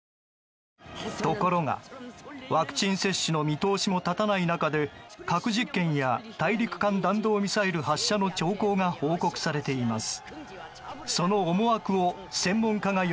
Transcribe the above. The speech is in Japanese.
ところが、ワクチン接種の見通しも立たない中で核実験や大陸間弾道ミサイル発射の兆候が報告されています。